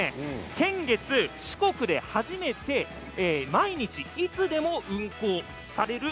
先月、四国で初めて毎日いつでも運航される